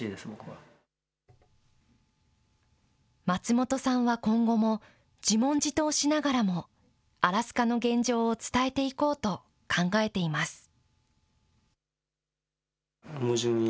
松本さんは今後も、自問自答しながらも、アラスカの現状を伝えていこうと考えています。